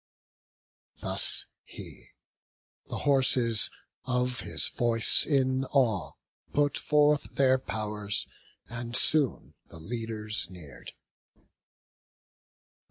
Thus he; the horses, of his voice in awe, Put forth their pow'rs, and soon the leaders near'd.